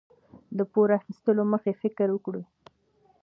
د پور اخیستلو مخکې فکر وکړئ.